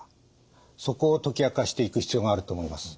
そこを解き明かしていく必要があると思います。